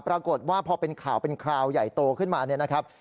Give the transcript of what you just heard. ปรากฏว่าพอเป็นข่าวเป็นคราวใหญ่โตขึ้นมาเนี่ยนะครับ